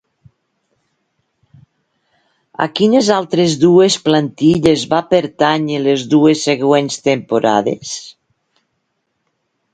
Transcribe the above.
A quines altres dues plantilles va pertànyer les dues següents temporades?